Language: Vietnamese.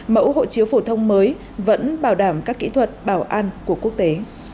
mẫu hộ chiếu phổ thông mới vẫn bảo đảm các kỹ thuật bảo an của quốc tế